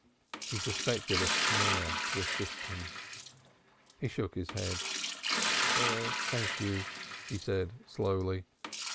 He suspected a snare to assist him. He shook his head. "Thank you," he said slowly.